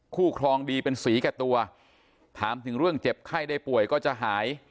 ครองดีเป็นสีแก่ตัวถามถึงเรื่องเจ็บไข้ได้ป่วยก็จะหาย